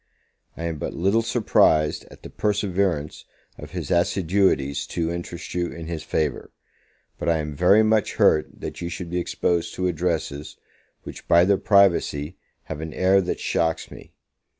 I am but little surprised at the perseverance of his assiduities to interest you in his favour; but I am very much hurt that you should be exposed to addresses, which, by their privacy, have an air that shocks me.